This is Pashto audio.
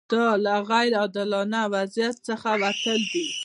دا له غیر عادلانه وضعیت څخه وتل دي.